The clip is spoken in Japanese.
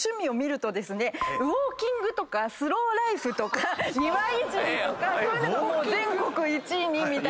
ウォーキングとかスローライフとか庭いじりとかそういうのが全国１位２位みたいな。